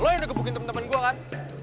lo yang udah gebukin temen temen gua kan